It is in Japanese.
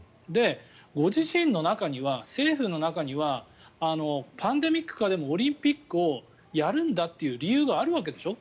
ご自身の中には、政府の中にはパンデミック下でもオリンピックをやるんだっていう理由があるわけでしょ。